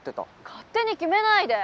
勝手に決めないで。